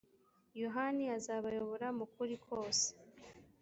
yohani azabayobora mu kuri kose